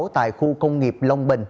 tại khu công nghiệp long bình